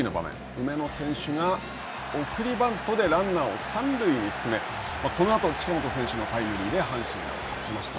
梅野選手が、送りバントでランナーを三塁に進め、このあと、近本選手のタイムリーで阪神が勝ちました。